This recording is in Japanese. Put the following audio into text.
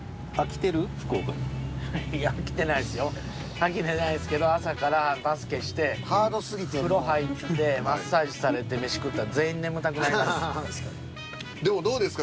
飽きてないですけど朝からバスケして風呂入ってマッサージされて飯食ったらでもどうですか？